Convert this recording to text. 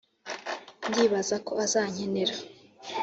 ndibaza ko azankenera